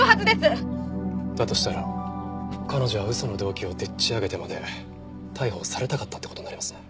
だとしたら彼女は嘘の動機をでっち上げてまで逮捕されたかったって事になりますね。